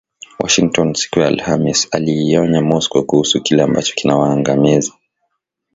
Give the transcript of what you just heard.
Washington siku ya Alhamisi iliionya Moscow kuhusu kile ambacho kinawaangamiza